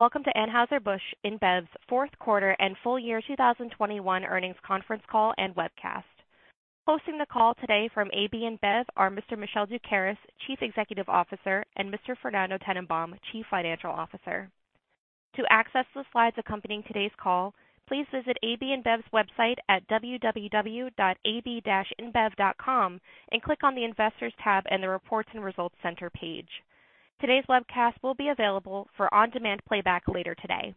Welcome to Anheuser-Busch InBev's Q4 and Full Year 2021 Earnings Conference Call and Webcast. Hosting the call today from AB InBev are Mr. Michel Doukeris, Chief Executive Officer, and Mr. Fernando Tennenbaum, Chief Financial Officer. To access the slides accompanying today's call, please visit AB InBev's website at www.ab-inbev.com and click on the Investors tab and the Reports and Results Center page. Today's webcast will be available for on-demand playback later today.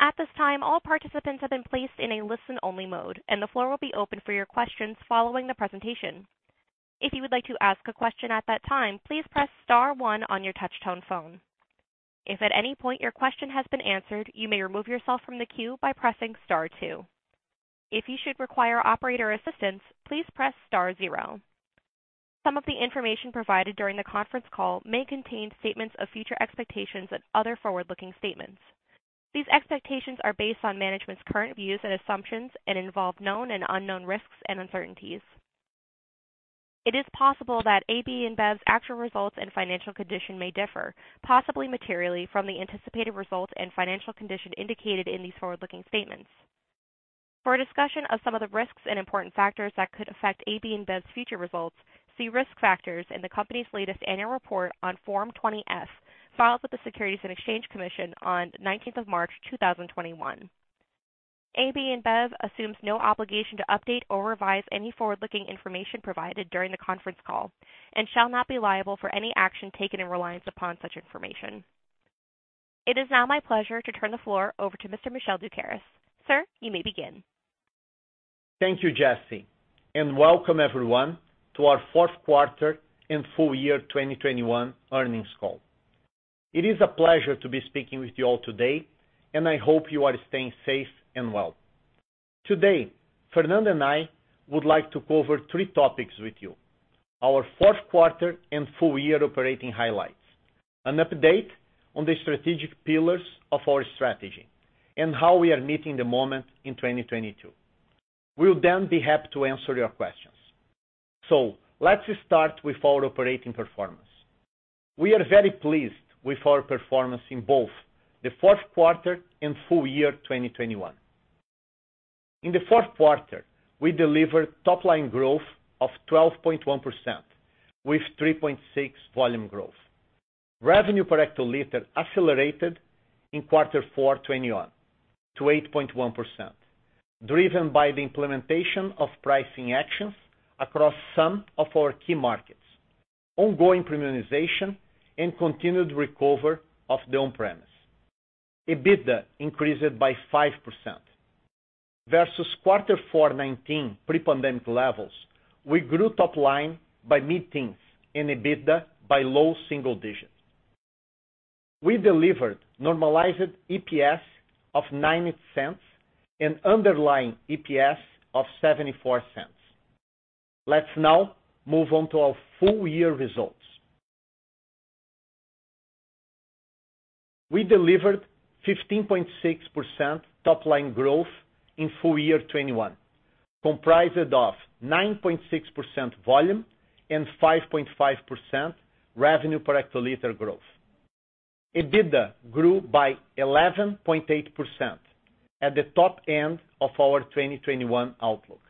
At this time, all participants have been placed in a listen-only mode, and the floor will be open for your questions following the presentation. If you would like to ask a question at that time, please press star one on your touch-tone phone. If at any point your question has been answered, you may remove yourself from the queue by pressing star two. If you should require operator assistance, please press star zero. Some of the information provided during the conference call may contain statements of future expectations and other forward-looking statements. These expectations are based on management's current views and assumptions and involve known and unknown risks and uncertainties. It is possible that AB InBev's actual results and financial condition may differ, possibly materially, from the anticipated results and financial condition indicated in these forward-looking statements. For a discussion of some of the risks and important factors that could affect AB InBev's future results, see Risk Factors in the company's latest annual report on Form 20-F, filed with the Securities and Exchange Commission on 19th March 2021. AB InBev assumes no obligation to update or revise any forward-looking information provided during the conference call and shall not be liable for any action taken in reliance upon such information. It is now my pleasure to turn the floor over to Mr. Michel Doukeris. Sir, you may begin. Thank you, Jesse, and welcome everyone to our Q4 and full year 2021 earnings call. It is a pleasure to be speaking with you all today, and I hope you are staying safe and well. Today, Fernando and I would like to cover three topics with you. Our Q4 and full year operating highlights, an update on the strategic pillars of our strategy, and how we are meeting the moment in 2022. We'll then be happy to answer your questions. Let's start with our operating performance. We are very pleased with our performance in both the Q4 and full year 2021. In the Q4, we delivered top-line growth of 12.1% with 3.6% volume growth. Revenue per hectoliter accelerated in Q4 2021 to 8.1%, driven by the implementation of pricing actions across some of our key markets, ongoing premiumization, and continued recovery of the on-premise. EBITDA increased by 5%. Versus Q4 2019 pre-pandemic levels, we grew top-line by mid-teens and EBITDA by low single digits. We delivered normalized EPS of $0.90 and underlying EPS of $0.74. Let's now move on to our full year results. We delivered 15.6% top-line growth in full year 2021, comprised of 9.6% volume and 5.5% revenue per hectoliter growth. EBITDA grew by 11.8% at the top end of our 2021 outlook.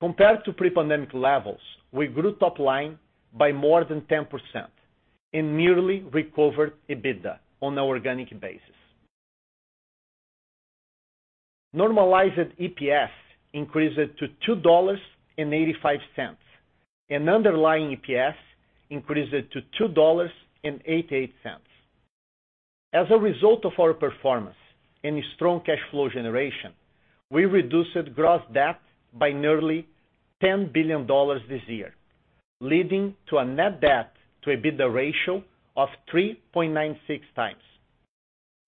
Compared to pre-pandemic levels, we grew top-line by more than 10% and nearly recovered EBITDA on an organic basis. Normalized EPS increased to $2.85, and underlying EPS increased to $2.88. As a result of our performance and strong cash flow generation, we reduced gross debt by nearly $10 billion this year, leading to a net debt to EBITDA ratio of 3.96x.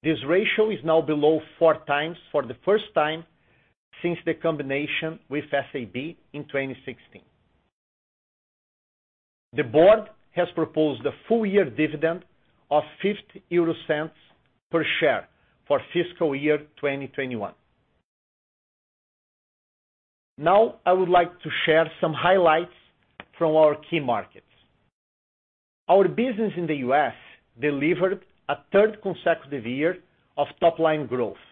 This ratio is now below four times for the first time since the combination with SAB in 2016. The board has proposed a full year dividend of 0.50 per share for fiscal year 2021. Now I would like to share some highlights from our key markets. Our business in the U.S. delivered a third consecutive year of top-line growth,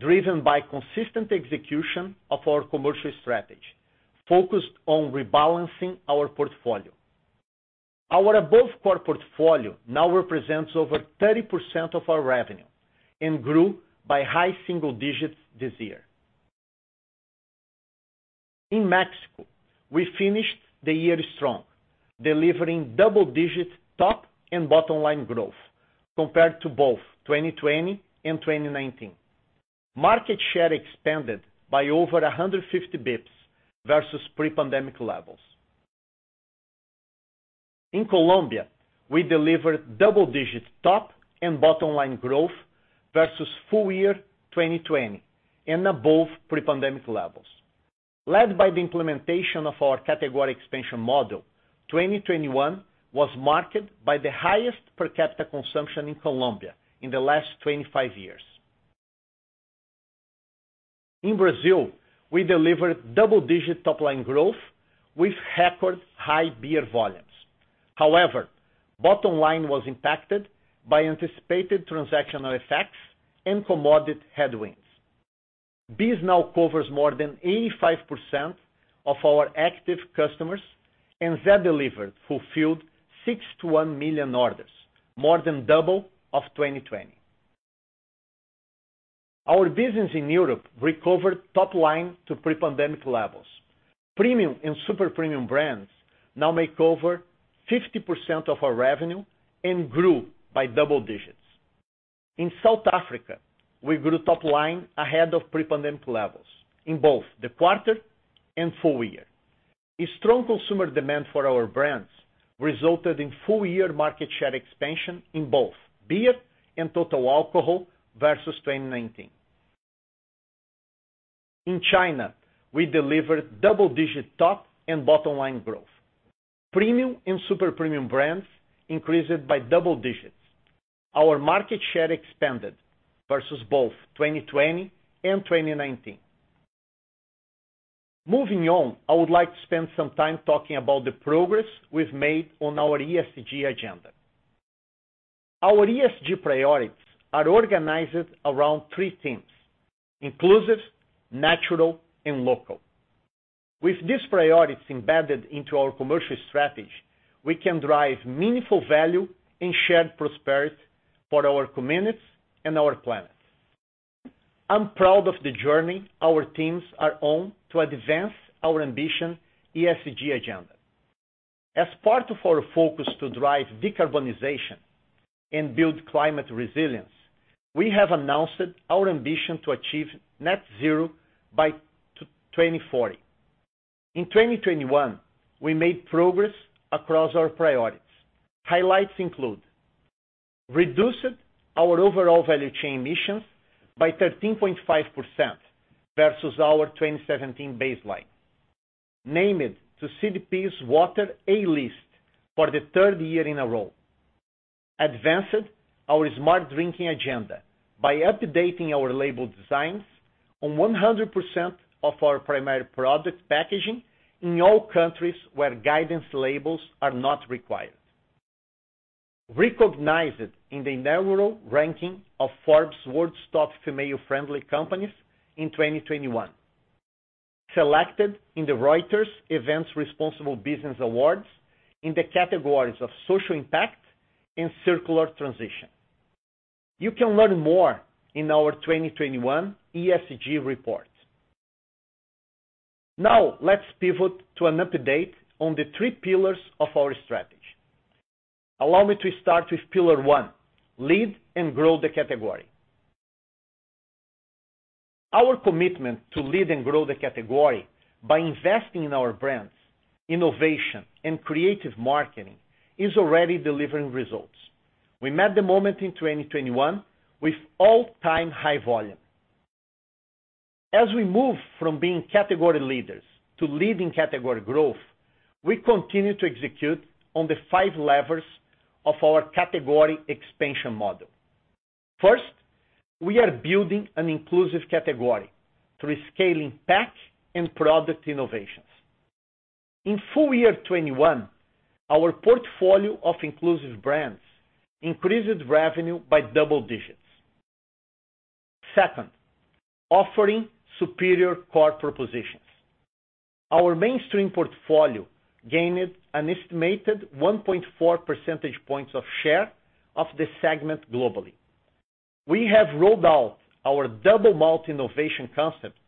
driven by consistent execution of our commercial strategy focused on rebalancing our portfolio. Our above core portfolio now represents over 30% of our revenue and grew by high single digits this year. In Mexico, we finished the year strong, delivering double-digit top and bottom-line growth compared to both 2020 and 2019. Market share expanded by over 150 bps versus pre-pandemic levels. In Colombia, we delivered double-digit top and bottom-line growth versus full year 2020 and above pre-pandemic levels. Led by the implementation of our category expansion model, 2021 was marked by the highest per capita consumption in Colombia in the last 25 years. In Brazil, we delivered double-digit top-line growth with record high beer volumes. However, bottom-line was impacted by anticipated transactional effects and commodity headwinds. This now covers more than 85% of our active customers, and Zé Delivery fulfilled 61 million orders, more than double of 2020. Our business in Europe recovered top-line to pre-pandemic levels. Premium and super premium brands now make over 50% of our revenue and grew by double digits. In South Africa, we grew top-line ahead of pre-pandemic levels in both the quarter and full year. A strong consumer demand for our brands resulted in full-year market share expansion in both beer and total alcohol versus 2019. In China, we delivered double-digit top and bottom-line growth. Premium and super premium brands increased by double digits. Our market share expanded versus both 2020 and 2019. Moving on, I would like to spend some time talking about the progress we've made on our ESG agenda. Our ESG priorities are organized around three things, inclusive, natural, and local. With these priorities embedded into our commercial strategy, we can drive meaningful value and shared prosperity for our communities and our planet. I'm proud of the journey our teams are on to advance our ambition ESG agenda. As part of our focus to drive decarbonization and build climate resilience, we have announced our ambition to achieve net zero by 2040. In 2021, we made progress across our priorities. Highlights include reduced our overall value chain emissions by 13.5% versus our 2017 baseline. Named to CDP's Water A List for the third year in a row. Advanced our smart drinking agenda by updating our label designs on 100% of our primary product packaging in all countries where guidance labels are not required. Recognized in the inaugural ranking of Forbes World's Top Female-Friendly Companies in 2021. Selected in the Reuters Events Responsible Business Awards in the categories of social impact and circular transition. You can learn more in our 2021 ESG report. Now, let's pivot to an update on the three pillars of our strategy. Allow me to start with pillar one, lead and grow the category. Our commitment to lead and grow the category by investing in our brands, innovation, and creative marketing is already delivering results. We met the moment in 2021 with all-time high volume. As we move from being category leaders to leading category growth, we continue to execute on the five levers of our category expansion model. First, we are building an inclusive category through scaling pack and product innovations. In full year 2021, our portfolio of inclusive brands increased revenue by double-digits. Second, offering superior core propositions. Our mainstream portfolio gained an estimated 1.4 percentage points of share of the segment globally. We have rolled out our double malt innovation concept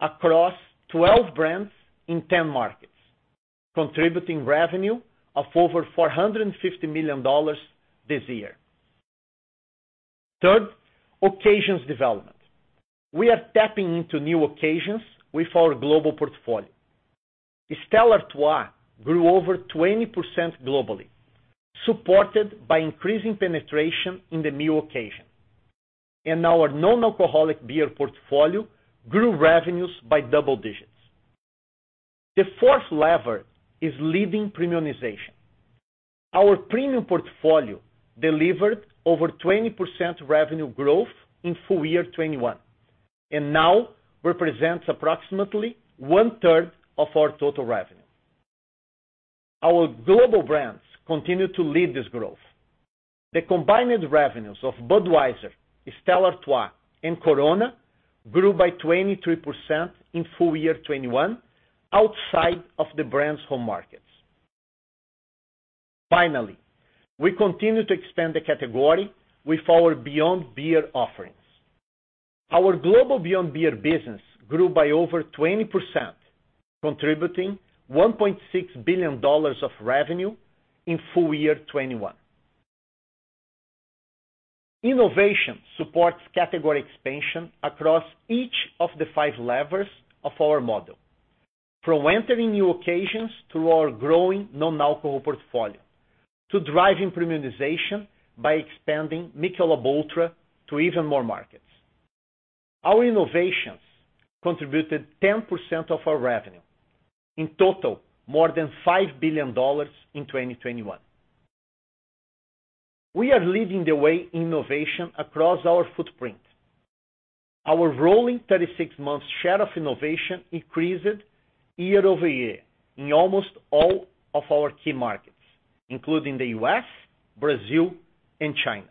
across 12 brands in 10 markets, contributing revenue of over $450 million this year. Third, occasions development. We are tapping into new occasions with our global portfolio. Stella Artois grew over 20% globally, supported by increasing penetration in the new occasion. Our non-alcoholic beer portfolio grew revenues by double-digits. The fourth lever is leading premiumization. Our premium portfolio delivered over 20% revenue growth in full year 2021 and now represents approximately 1/3 of our total revenue. Our global brands continue to lead this growth. The combined revenues of Budweiser, Stella Artois, and Corona grew by 23% in full year 2021 outside of the brand's home markets. Finally, we continue to expand the category with our Beyond Beer offerings. Our global Beyond Beer business grew by over 20%, contributing $1.6 billion of revenue in full year 2021. Innovation supports category expansion across each of the five levers of our model, from entering new occasions through our growing non-alcohol portfolio to driving premiumization by expanding Michelob ULTRA to even more markets. Our innovations contributed 10% of our revenue, in total, more than $5 billion in 2021. We are leading the way in innovation across our footprint. Our rolling 36 months share of innovation increased year-over-year in almost all of our key markets, including the U.S., Brazil, and China.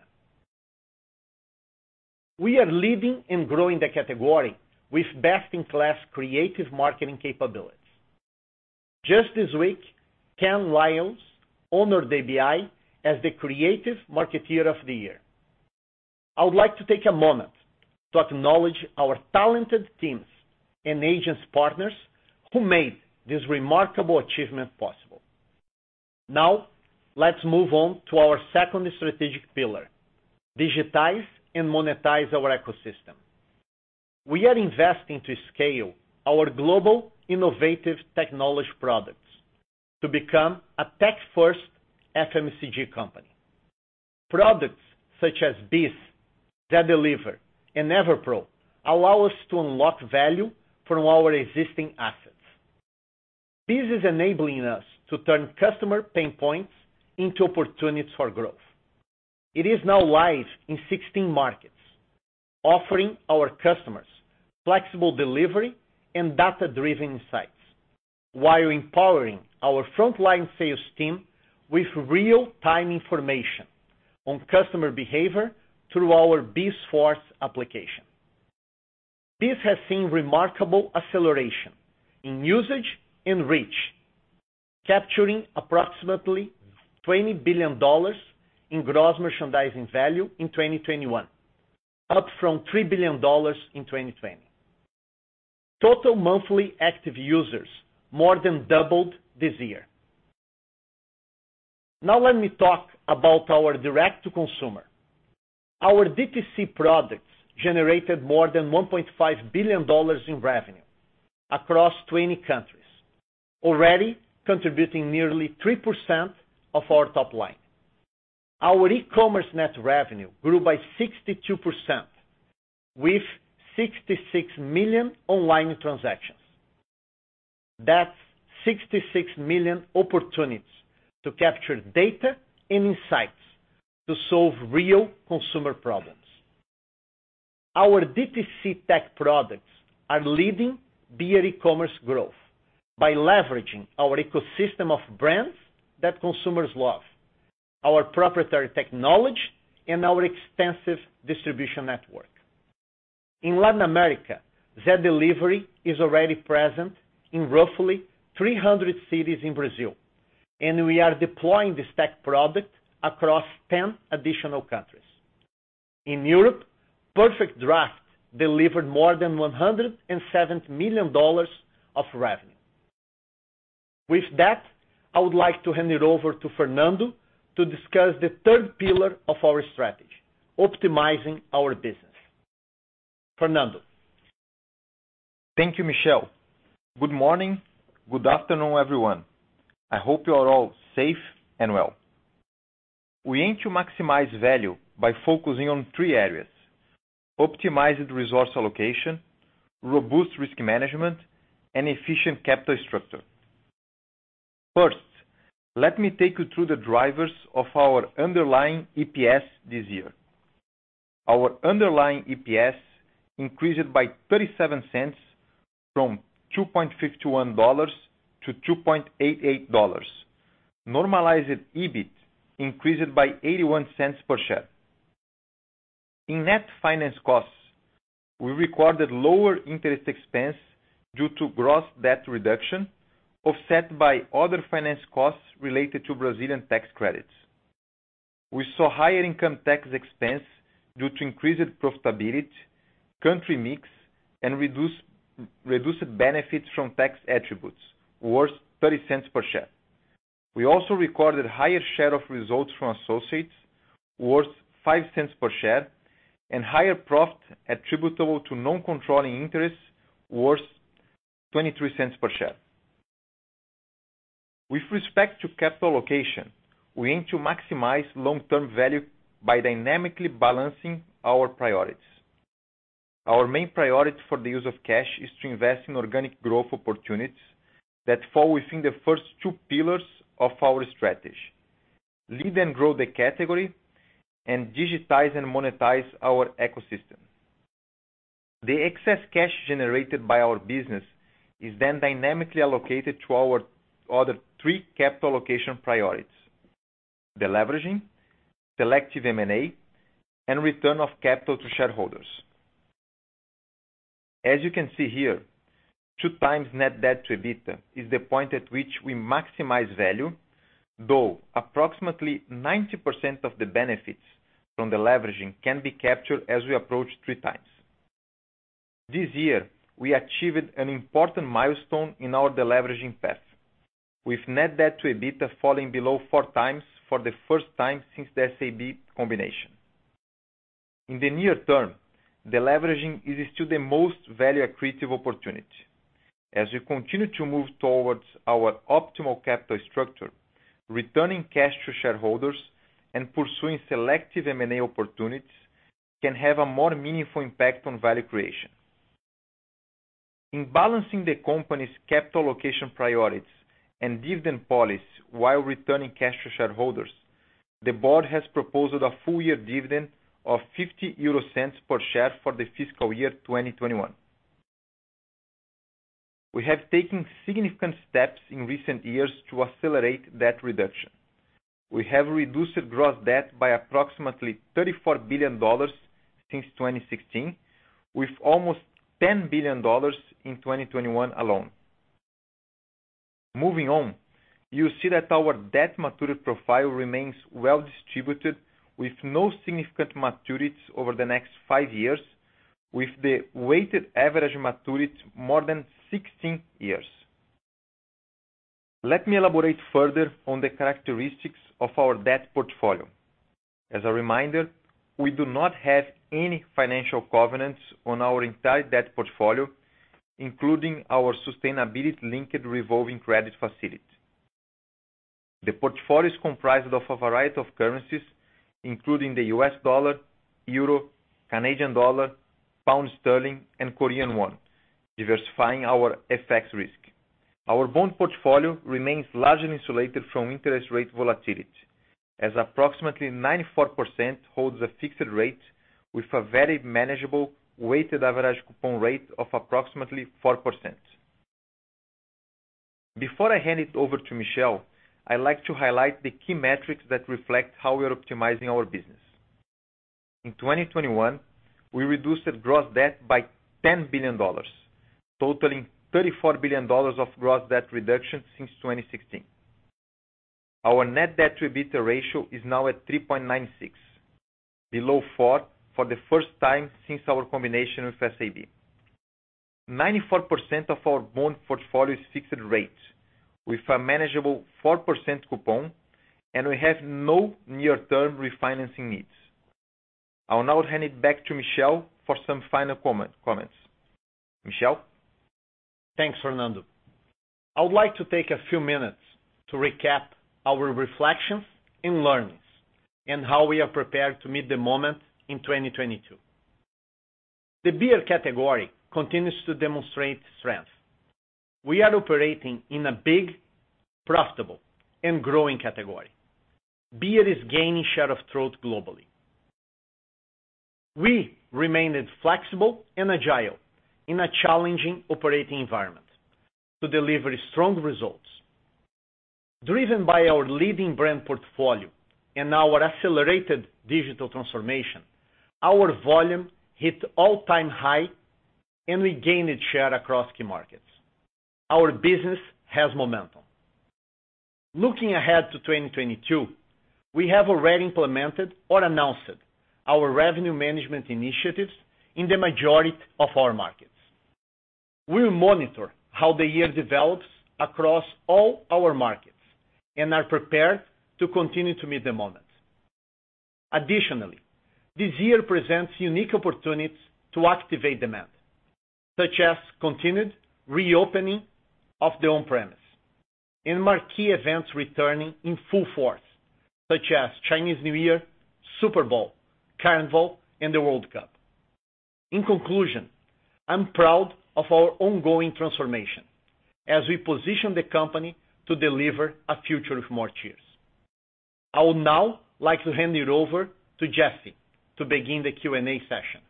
We are leading and growing the category with best-in-class creative marketing capabilities. Just this week, Cannes Lions honored ABI as the creative marketer of the year. I would like to take a moment to acknowledge our talented teams and agents partners who made this remarkable achievement possible. Now, let's move on to our second strategic pillar, digitize and monetize our ecosystem. We are investing to scale our global innovative technology products to become a tech-first FMCG company. Products such as BEES, Zé Delivery, and EverPro allow us to unlock value from our existing assets. BEES is enabling us to turn customer pain points into opportunities for growth. It is now live in 16 markets, offering our customers flexible delivery and data-driven insights while empowering our frontline sales team with real-time information on customer behavior through our BEES Force application. BEES has seen remarkable acceleration in usage and reach, capturing approximately $20 billion in gross merchandising value in 2021, up from $3 billion in 2020. Total monthly active users more than doubled this year. Now let me talk about our direct-to-consumer. Our DTC products generated more than $1.5 billion in revenue across 20 countries, already contributing nearly 3% of our top-line. Our e-commerce net revenue grew by 62% with 66 million online transactions. That's 66 million opportunities to capture data and insights to solve real consumer problems. Our DTC tech products are leading beer e-commerce growth by leveraging our ecosystem of brands that consumers love, our proprietary technology, and our extensive distribution network. In Latin America, Zé Delivery is already present in roughly 300 cities in Brazil, and we are deploying this tech product across 10 additional countries. In Europe, PerfectDraft delivered more than $107 million of revenue. With that, I would like to hand it over to Fernando to discuss the third pillar of our strategy, optimizing our business. Fernando. Thank you, Michel. Good morning. Good afternoon, everyone. I hope you're all safe and well. We aim to maximize value by focusing on three areas, optimized resource allocation, robust risk management, and efficient capital structure. First, let me take you through the drivers of our underlying EPS this year. Our underlying EPS increased by $0.37 from $2.51 to $2.88. Normalized EBIT increased by $0.81 per share. In net finance costs, we recorded lower interest expense due to gross debt reduction, offset by other finance costs related to Brazilian tax credits. We saw higher income tax expense due to increased profitability, country mix, and reduced benefits from tax attributes worth $0.30 per share. We also recorded higher share of results from associates worth $0.05 per share and higher profit attributable to non-controlling interests worth $0.23 per share. With respect to capital allocation, we aim to maximize long-term value by dynamically balancing our priorities. Our main priority for the use of cash is to invest in organic growth opportunities that fall within the first two pillars of our strategy, lead and grow the category and digitize and monetize our ecosystem. The excess cash generated by our business is then dynamically allocated to our other three capital allocation priorities, deleveraging, selective M&A, and return of capital to shareholders. As you can see here, two times net debt to EBITDA is the point at which we maximize value, though approximately 90% of the benefits from deleveraging can be captured as we approach three times. This year, we achieved an important milestone in our deleveraging path, with net debt to EBITDA falling below four times for the first time since the SABMiller combination. In the near term, deleveraging is still the most value-accretive opportunity. As we continue to move towards our optimal capital structure, returning cash to shareholders and pursuing selective M&A opportunities can have a more meaningful impact on value creation. In balancing the company's capital allocation priorities and dividend policy while returning cash to shareholders, the board has proposed a full year dividend of 0.50 per share for the fiscal year 2021. We have taken significant steps in recent years to accelerate debt reduction. We have reduced gross debt by approximately $34 billion since 2016, with almost $10 billion in 2021 alone. Moving on, you see that our debt maturity profile remains well distributed, with no significant maturities over the next five years, with the weighted average maturity more than 16 years. Let me elaborate further on the characteristics of our debt portfolio. As a reminder, we do not have any financial covenants on our entire debt portfolio, including our sustainability linked revolving credit facility. The portfolio is comprised of a variety of currencies, including the US dollar, euro, Canadian dollar, pound sterling, and Korean won, diversifying our FX risk. Our bond portfolio remains largely insulated from interest rate volatility, as approximately 94% holds a fixed rate with a very manageable weighted average coupon rate of approximately 4%. Before I hand it over to Michel, I like to highlight the key metrics that reflect how we are optimizing our business. In 2021, we reduced the gross debt by $10 billion, totaling $34 billion of gross debt reduction since 2016. Our net debt to EBITDA ratio is now at 3.96x, below four times for the first time since our combination with SABMiller. 94% of our bond portfolio is fixed rate with a manageable 4% coupon, and we have no near-term refinancing needs. I'll now hand it back to Michel for some final comments. Michel? Thanks, Fernando. I would like to take a few minutes to recap our reflections and learnings and how we are prepared to meet the moment in 2022. The beer category continues to demonstrate strength. We are operating in a big, profitable, and growing category. Beer is gaining share of throat globally. We remained flexible and agile in a challenging operating environment to deliver strong results. Driven by our leading brand portfolio and our accelerated digital transformation, our volume hit all-time high and regained share across key markets. Our business has momentum. Looking ahead to 2022, we have already implemented or announced our revenue management initiatives in the majority of our markets. We will monitor how the year develops across all our markets and are prepared to continue to meet the moment. Additionally, this year presents unique opportunities to activate demand, such as continued reopening of the on-premise and marquee events returning in full force, such as Chinese New Year, Super Bowl, Carnival, and the World Cup. In conclusion, I'm proud of our ongoing transformation as we position the company to deliver a future of more cheers. I would now like to hand it over to Jesse to begin the Q&A session.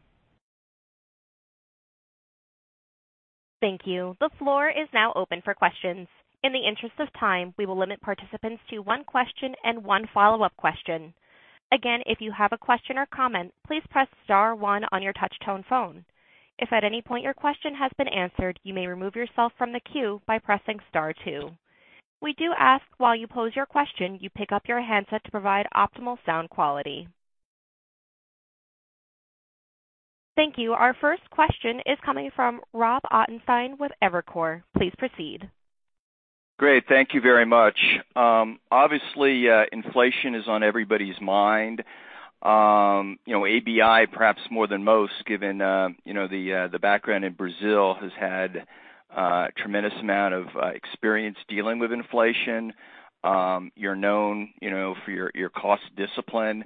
Thank you. The floor is now open for questions. In the interest of time, we will limit participants to one question and one follow-up question. Again, if you have a question or comment, please press star one on your touch tone phone. If at any point your question has been answered, you may remove yourself from the queue by pressing star two. We do ask, while you pose your question, you pick up your handset to provide optimal sound quality. Thank you. Our first question is coming from Rob Ottenstein with Evercore. Please proceed. Great. Thank you very much. Obviously, inflation is on everybody's mind. You know, ABI perhaps more than most, given you know, the background in Brazil has had a tremendous amount of experience dealing with inflation. You're known, you know, for your cost discipline.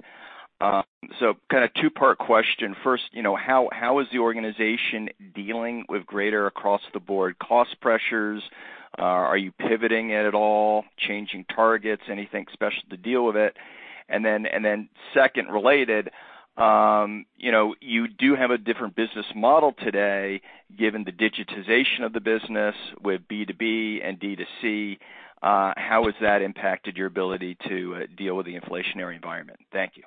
So kind of two-part question. First, you know, how is the organization dealing with greater across the board cost pressures? Are you pivoting at all, changing targets, anything special to deal with it? And then second related, you know, you do have a different business model today, given the digitization of the business with B2B and D2C. How has that impacted your ability to deal with the inflationary environment? Thank you.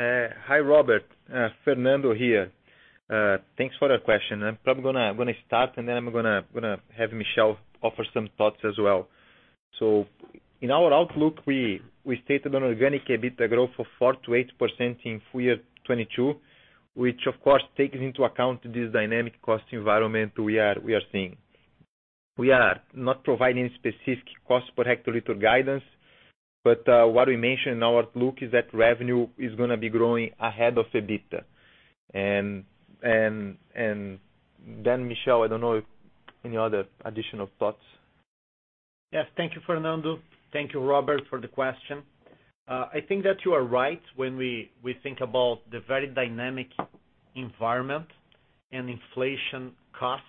Hi, Robert. Fernando here. Thanks for the question. I'm probably gonna start, and then I'm gonna have Michel offer some thoughts as well. In our outlook, we stated an organic EBITDA growth of 4%-8% in full year 2022, which of course takes into account this dynamic cost environment we are seeing. We are not providing specific cost per hectoliter guidance, but what we mentioned in our outlook is that revenue is gonna be growing ahead of the EBITDA. Then Michel, I don't know if any other additional thoughts. Yes. Thank you, Fernando. Thank you, Robert, for the question. I think that you are right when we think about the very dynamic environment and inflation costs.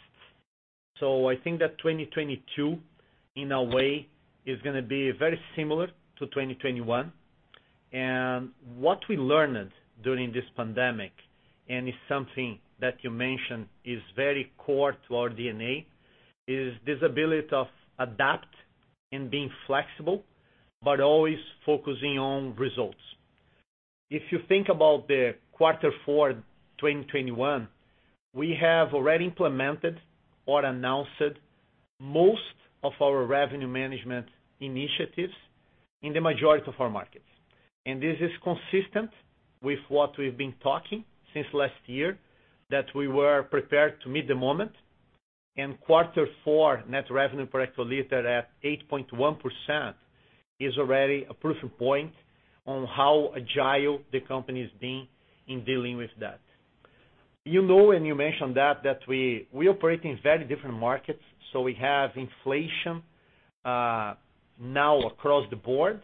I think that 2022, in a way, is gonna be very similar to 2021. What we learned during this pandemic, and it's something that you mentioned, is very core to our DNA, is this ability to adapt and being flexible, but always focusing on results. If you think about the Q4, 2021, we have already implemented or announced most of our revenue management initiatives in the majority of our markets. This is consistent with what we've been talking since last year, that we were prepared to meet the moment. Q4 net revenue per hectoliter at 8.1% is already a proving point on how agile the company's been in dealing with that. You know, you mentioned that we operate in very different markets, so we have inflation now across the board.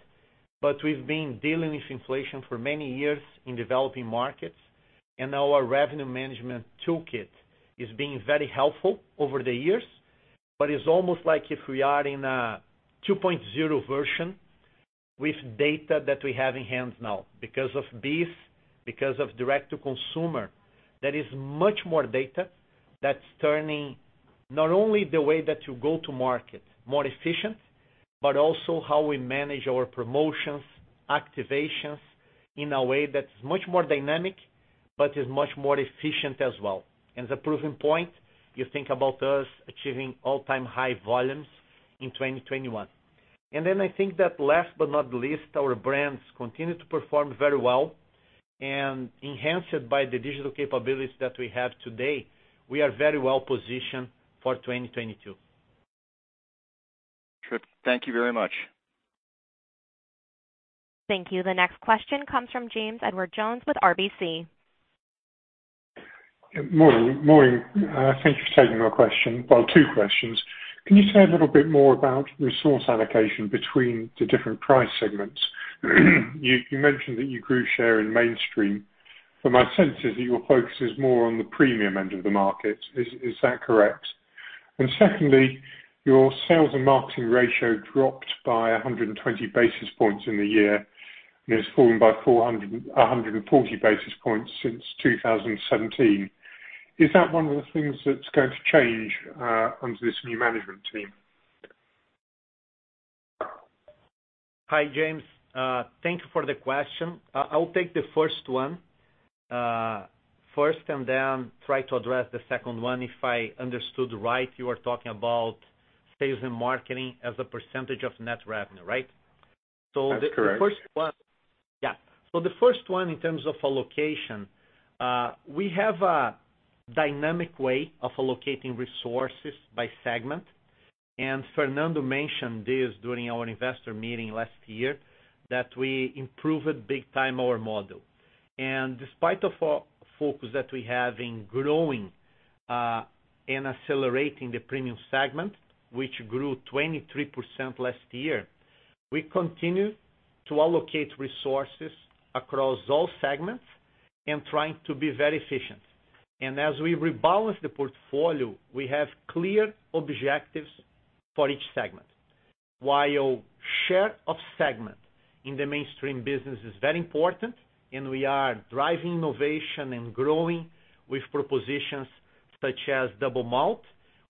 We've been dealing with inflation for many years in developing markets, and our revenue management toolkit is being very helpful over the years. It's almost like if we are in a 2.0 version with data that we have in hand now because of BEES, because of direct to consumer, there is much more data that's turning not only the way that you go to market more efficient, but also how we manage our promotions, activations in a way that's much more dynamic but is much more efficient as well. The proving point, you think about us achieving all-time high volumes in 2021. I think that last but not least, our brands continue to perform very well and enhanced by the digital capabilities that we have today, we are very well positioned for 2022. Sure. Thank you very much. Thank you. The next question comes from James Edwardes Jones with RBC. Morning, morning. Thank you for taking my question. Well, two questions. Can you say a little bit more about resource allocation between the different price segments? You mentioned that you grew share in mainstream, but my sense is that your focus is more on the premium end of the market. Is that correct? And secondly, your sales and marketing ratio dropped by 120 basis points in the year, and it's fallen by 140 basis points since 2017. Is that one of the things that's going to change under this new management team? Hi, James. Thank you for the question. I'll take the first one first and then try to address the second one. If I understood right, you are talking about sales and marketing as a percentage of net revenue, right? That's correct. The first one, in terms of allocation, we have a dynamic way of allocating resources by segment. Fernando mentioned this during our investor meeting last year, that we improved big time our model. Despite of our focus that we have in growing and accelerating the premium segment, which grew 23% last year, we continue to allocate resources across all segments and trying to be very efficient. As we rebalance the portfolio, we have clear objectives for each segment. While share of segment in the mainstream business is very important and we are driving innovation and growing with propositions such as double malt,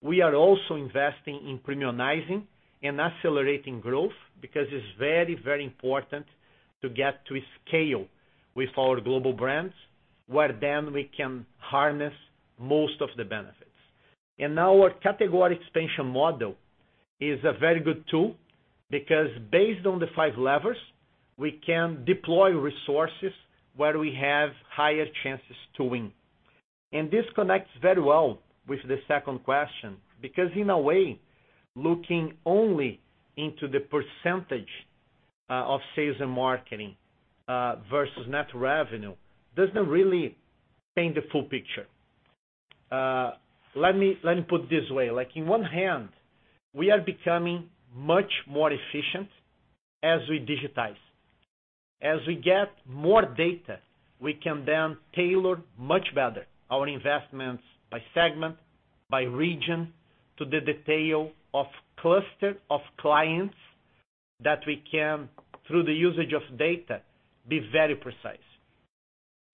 we are also investing in premiumizing and accelerating growth because it's very, very important to get to scale with our global brands, where then we can harness most of the benefits. Our category expansion model is a very good tool because based on the five levers, we can deploy resources where we have higher chances to win. This connects very well with the second question, because in a way, looking only into the percentage of sales and marketing versus net revenue doesn't really paint the full picture. Let me put this way. Like, on one hand, we are becoming much more efficient as we digitize. As we get more data, we can then tailor much better our investments by segment, by region, to the detail of cluster of clients that we can, through the usage of data, be very precise.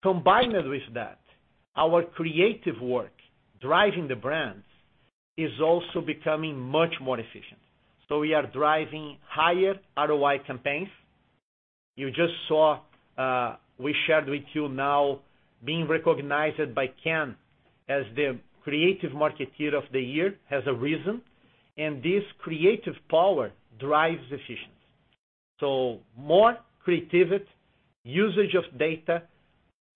Combined with that, our creative work driving the brands is also becoming much more efficient. We are driving higher ROI campaigns. You just saw, we shared with you now being recognized by Cannes as the creative marketer of the year has a reason, and this creative power drives efficiency. More creativity, usage of data,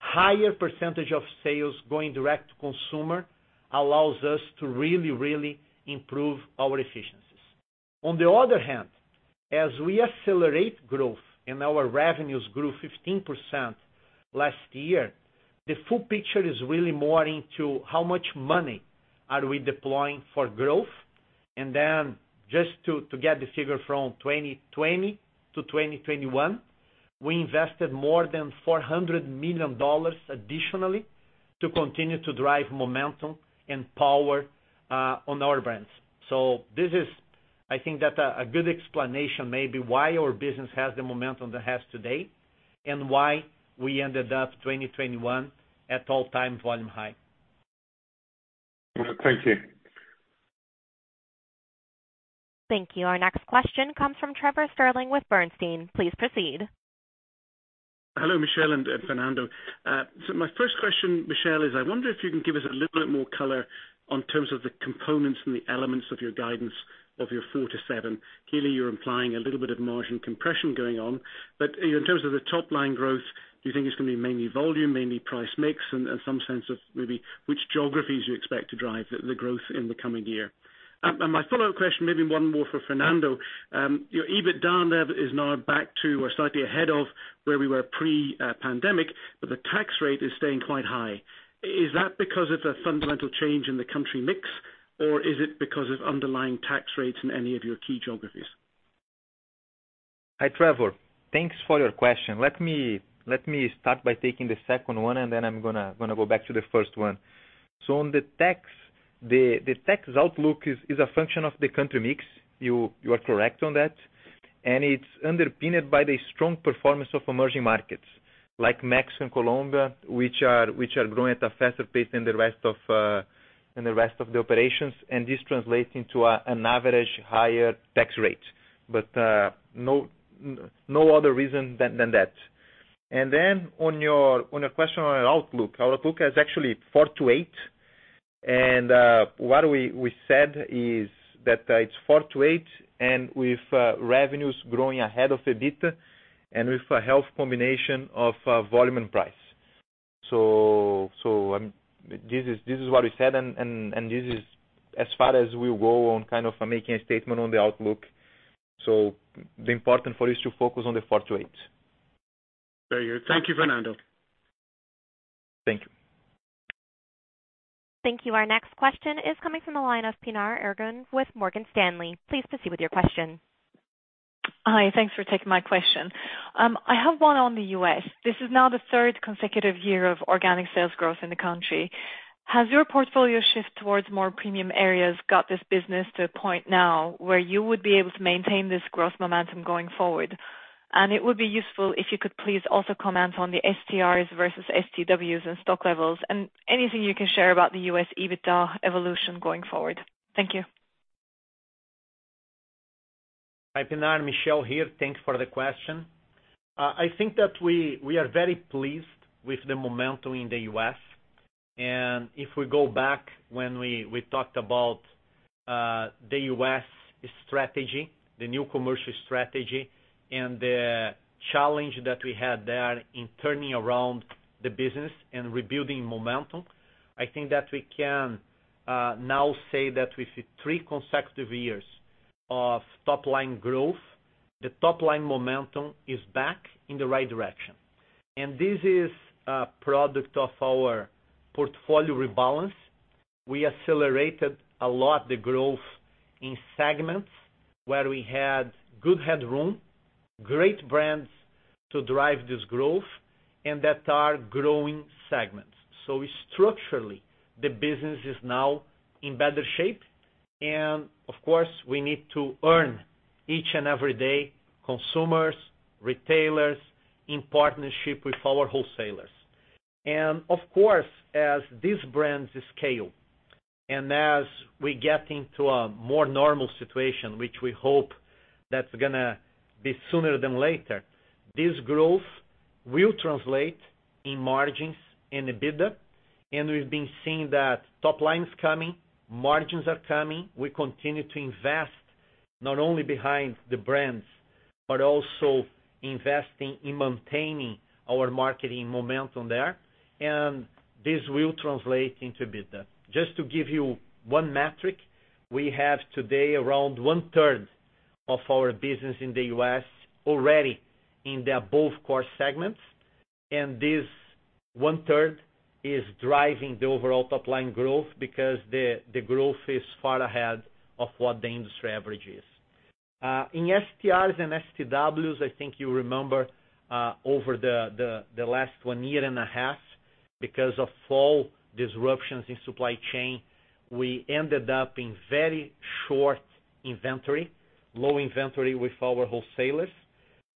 higher percentage of sales going direct to consumer allows us to really, really improve our efficiencies. On the other hand. As we accelerate growth and our revenues grew 15% last year, the full picture is really more into how much money are we deploying for growth. Then just to get the figure from 2020 to 2021, we invested more than $400 million additionally to continue to drive momentum and power on our brands. This is. I think that's a good explanation maybe why our business has the momentum that it has today and why we ended up 2021 at all-time volume high. Thank you. Thank you. Our next question comes from Trevor Stirling with Bernstein. Please proceed. Hello, Michel and Fernando. My first question, Michel, is I wonder if you can give us a little bit more color on terms of the components and the elements of your guidance of your 4%-7%. Clearly, you're implying a little bit of margin compression going on. In terms of the top-line growth, do you think it's gonna be mainly volume, mainly price mix? And some sense of maybe which geographies you expect to drive the growth in the coming year. My follow-up question, maybe one more for Fernando. Your EBIT down there is now back to or slightly ahead of where we were pre-pandemic, but the tax rate is staying quite high. Is that because of the fundamental change in the country mix, or is it because of underlying tax rates in any of your key geographies? Hi, Trevor. Thanks for your question. Let me start by taking the second one, and then I'm gonna go back to the first one. The tax outlook is a function of the country mix. You are correct on that. It's underpinned by the strong performance of emerging markets like Mexico and Colombia, which are growing at a faster pace than the rest of the operations. This translates into an average higher tax rate. But no other reason than that. Then on your question on outlook, our outlook is actually 4%-8%. What we said is that it's 4%-8% with revenues growing ahead of the EBITDA and with a healthy combination of volume and price. This is what we said and this is as far as we'll go on kind of making a statement on the outlook. The important thing is to focus on the 4%-8%. Very good. Thank you, Fernando. Thank you. Thank you. Our next question is coming from the line of Pinar Ergun with Morgan Stanley. Please proceed with your question. Hi. Thanks for taking my question. I have one on the U.S. This is now the third consecutive year of organic sales growth in the country. Has your portfolio shift towards more premium areas got this business to a point now where you would be able to maintain this growth momentum going forward? It would be useful if you could please also comment on the STRs versus STWs and stock levels and anything you can share about the U.S. EBITDA evolution going forward. Thank you. Hi, Pinar. Michel here. Thanks for the question. I think that we are very pleased with the momentum in the U.S. If we go back when we talked about the U.S. strategy, the new commercial strategy and the challenge that we had there in turning around the business and rebuilding momentum, I think that we can now say that with three consecutive years of top-line growth, the top-line momentum is back in the right direction. This is a product of our portfolio rebalance. We accelerated a lot the growth in segments where we had good headroom, great brands to drive this growth and that are growing segments. Structurally, the business is now in better shape. Of course, we need to earn each and every day, consumers, retailers in partnership with our wholesalers. Of course, as these brands scale and as we get into a more normal situation, which we hope that's gonna be sooner than later, this growth will translate in margins and EBITDA. We've been seeing that top-line's coming, margins are coming. We continue to invest not only behind the brands, but also investing in maintaining our marketing momentum there. This will translate into EBITDA. Just to give you one metric, we have today around 1/3 of our business in the U.S. already in the above core segments. This 1/3 is driving the overall top-line growth because the growth is far ahead of what the industry average is. In STRs and STWs, I think you remember, over the last one year and a half, because of all disruptions in supply chain, we ended up in very short inventory, low inventory with our wholesalers.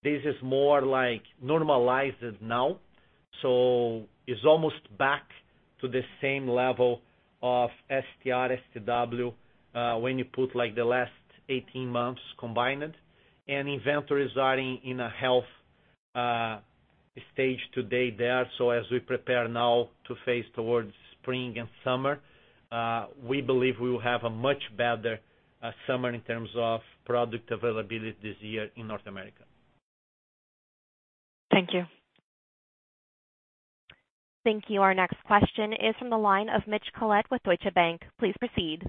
This is more like normalized now. It's almost back to the same level of STR, STW, when you put like the last 18 months combined. Inventories are in a healthy stage today there. As we prepare now to face towards spring and summer, we believe we will have a much better summer in terms of product availability this year in North America. Thank you. Thank you. Our next question is from the line of Mitch Collett with Deutsche Bank. Please proceed.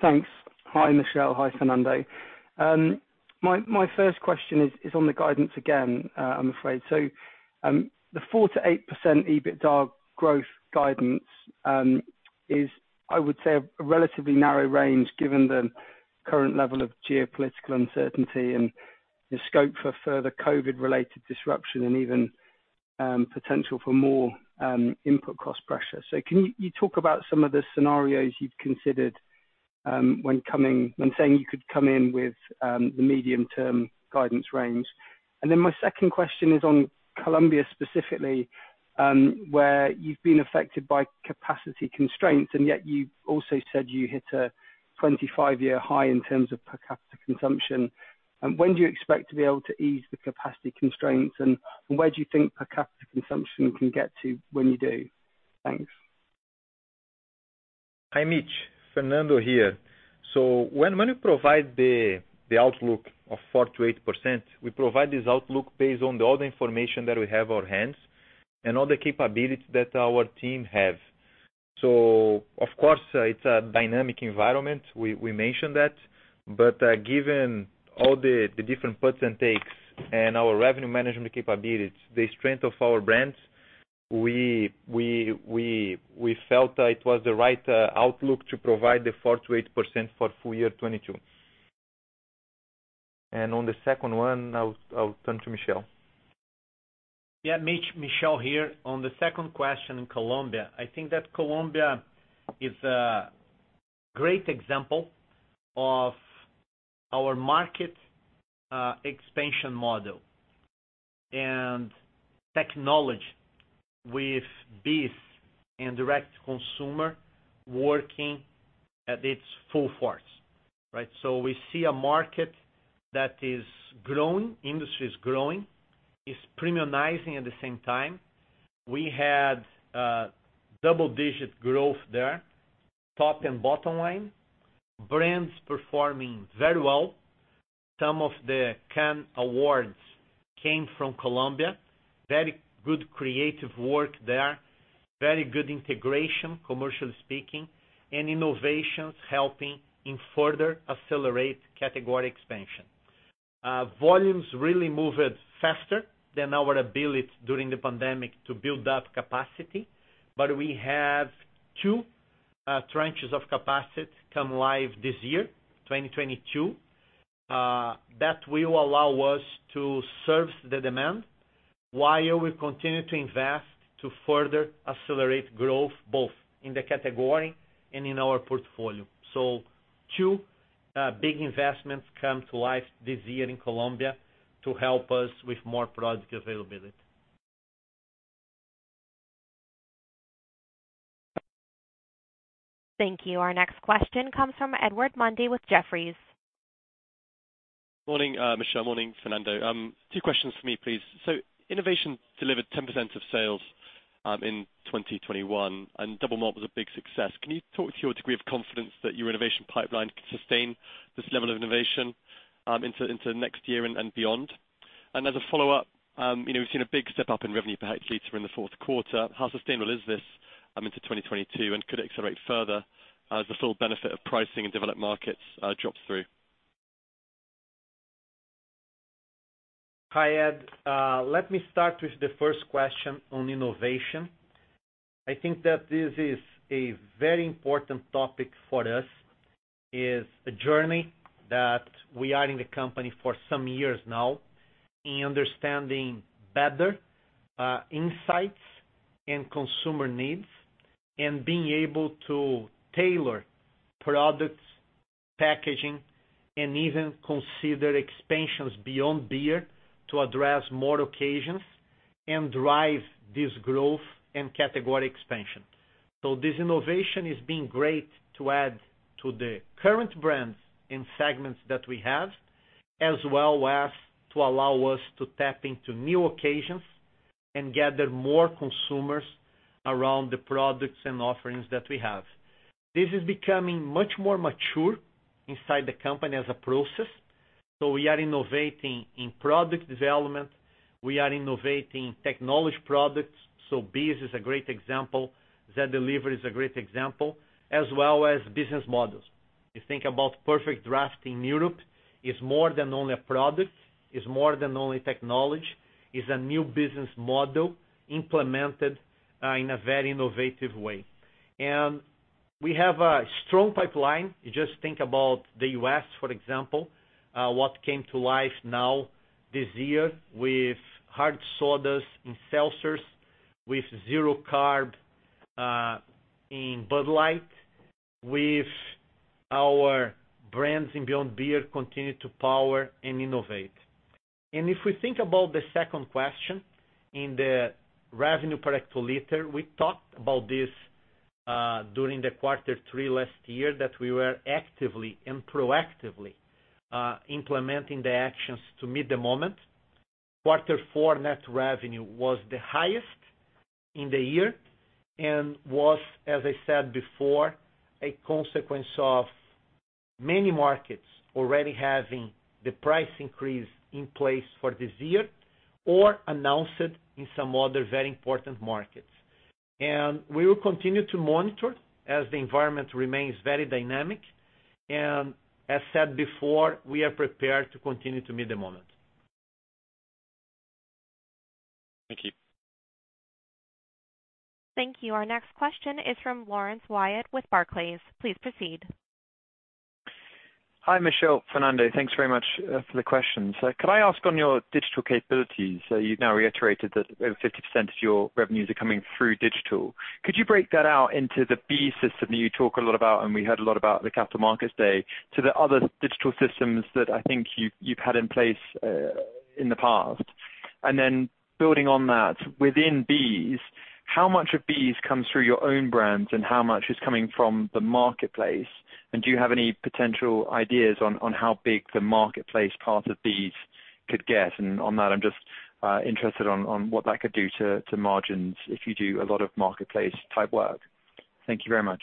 Thanks. Hi, Michel. Hi, Fernando. My first question is on the guidance again, I'm afraid. The 4%-8% EBITDA growth guidance is, I would say, a relatively narrow range given the current level of geopolitical uncertainty and the scope for further COVID-related disruption and even potential for more input cost pressure. Can you talk about some of the scenarios you've considered when saying you could come in with the medium-term guidance range? And then my second question is on Colombia specifically, where you've been affected by capacity constraints, and yet you also said you hit a 25-year high in terms of per capita consumption. When do you expect to be able to ease the capacity constraints, and where do you think per capita consumption can get to when you do? Thanks. Hi, Mitch, Fernando here. When we provide the outlook of 4%-8%, we provide this outlook based on all the information that we have on hand and all the capabilities that our team have. Of course, it's a dynamic environment. We mentioned that. Given all the different puts and takes and our revenue management capabilities, the strength of our brands, we felt that it was the right outlook to provide the 4%-8% for full year 2022. On the second one, I'll turn to Michel. Yeah, Mitch, Michel here. On the second question in Colombia, I think that Colombia is a great example of our market expansion model and technology with BEES and direct consumer working at its full force, right? We see a market that is growing, industry is growing. It's premiumizing at the same time. We had double-digit growth there, top and bottom-line. Brands performing very well. Some of the Cannes awards came from Colombia. Very good creative work there. Very good integration, commercially speaking, and innovations helping in further accelerate category expansion. Volumes really moved faster than our ability during the pandemic to build up capacity, but we have two tranches of capacity come live this year, 2022. That will allow us to serve the demand while we continue to invest to further accelerate growth, both in the category and in our portfolio. Two big investments come to life this year in Colombia to help us with more product availability. Thank you. Our next question comes from Edward Mundy with Jefferies. Morning, Michel, morning, Fernando. Two questions for me, please. Innovation delivered 10% of sales in 2021, and Double Malt was a big success. Can you talk to your degree of confidence that your innovation pipeline can sustain this level of innovation into next year and beyond? As a follow-up, you know, we've seen a big step-up in revenue per hectoliter in the Q4. How sustainable is this into 2022, and could it accelerate further as the full benefit of pricing in developed markets drops through? Hi, Ed. Let me start with the first question on innovation. I think that this is a very important topic for us. It's a journey that we are in the company for some years now in understanding better insights and consumer needs and being able to tailor products, packaging, and even consider expansions beyond beer to address more occasions and drive this growth and category expansion. This innovation is being great to add to the current brands and segments that we have, as well as to allow us to tap into new occasions and gather more consumers around the products and offerings that we have. This is becoming much more mature inside the company as a process. We are innovating in product development, we are innovating technology products. BEES is a great example. Zé Delivery is a great example, as well as business models. You think about PerfectDraft in Europe, it's more than only a product, it's more than only technology. It's a new business model implemented in a very innovative way. We have a strong pipeline. You just think about the U.S., for example, what came to life now this year with hard seltzers, with zero carb in Bud Light, with our brands in Beyond Beer continue to power and innovate. If we think about the second question in the revenue per hectoliter, we talked about this during Q3 last year, that we were actively and proactively implementing the actions to meet the moment. Q4 net revenue was the highest in the year and was, as I said before, a consequence of many markets already having the price increase in place for this year, or announced it in some other very important markets. We will continue to monitor as the environment remains very dynamic. As said before, we are prepared to continue to meet the moment. Thank you. Thank you. Our next question is from Lawrence Whyatt with Barclays. Please proceed. Hi, Michel, Fernando. Thanks very much for the questions. Can I ask on your digital capabilities. You've now reiterated that over 50% of your revenues are coming through digital. Could you break that out into the BEES system that you talk a lot about, and we heard a lot about the Capital Markets Day, to the other digital systems that I think you've had in place in the past? Building on that, within BEES, how much of BEES comes through your own brands and how much is coming from the marketplace? Do you have any potential ideas on how big the marketplace part of BEES could get? On that, I'm just interested on what that could do to margins if you do a lot of marketplace type work. Thank you very much.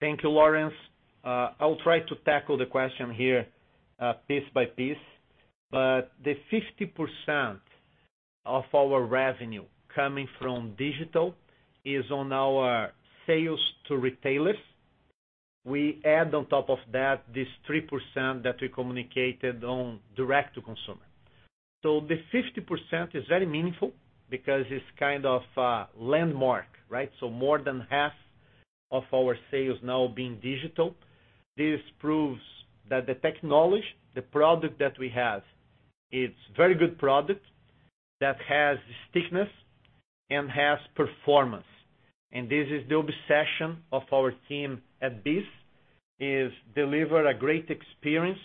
Thank you, Lawrence. I'll try to tackle the question here, piece by piece. The 50% of our revenue coming from digital is on our sales to retailers. We add on top of that, this 3% that we communicated on direct to consumer. The 50% is very meaningful because it's kind of a landmark, right? More than half of our sales now being digital. This proves that the technology, the product that we have, it's very good product that has stickiness and has performance. This is the obsession of our team at BEES, is deliver a great experience